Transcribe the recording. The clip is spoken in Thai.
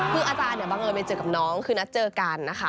คืออาจารย์เนี่ยบังเอิญไปเจอกับน้องคือนัดเจอกันนะคะ